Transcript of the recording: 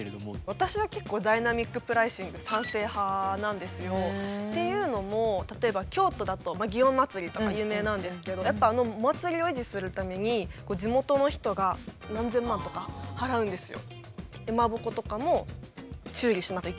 私は結構ダイナミック・プライシング賛成派なんですよ。っていうのも例えば京都だと園祭とか有名なんですけどやっぱあのお祭りを維持するために地元の人が何千万とか払うんですよ。